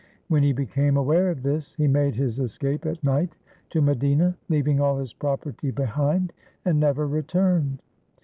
When he became aware of this, he made his escape at night to Madina, leaving all his property behind, and never returned.